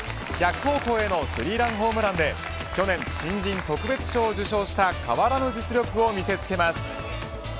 逆方向へスリーランホームランで去年、新人特別賞を受賞した変わらぬ実力を見せつけます。